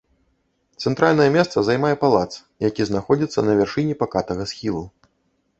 Цэнтральнае месца займае палац, які знаходзіцца на вяршыні пакатага схілу.